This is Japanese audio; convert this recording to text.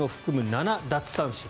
７奪三振。